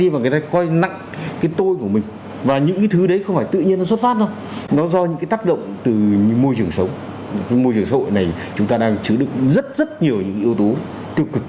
môi trường xã hội này chúng ta đang chứa được rất rất nhiều những yếu tố tiêu cực